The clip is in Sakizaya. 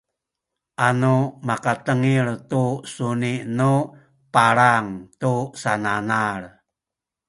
anu makatengil tu suni nu palang tu sananal